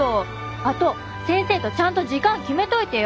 あと先生とちゃんと時間決めといてよ！